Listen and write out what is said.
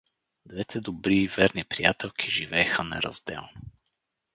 Двете добри и верни приятелки живееха неразделно.